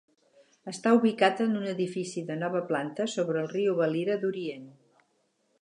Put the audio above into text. Està ubicat en un edifici de nova planta sobre el riu Valira d'Orient.